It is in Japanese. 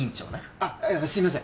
あっすいません。